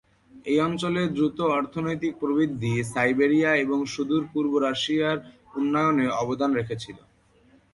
এই অঞ্চলে দ্রুত অর্থনৈতিক প্রবৃদ্ধি সাইবেরিয়া এবং সুদূর-পূর্ব রাশিয়ার উন্নয়নে অবদান রেখেছিল।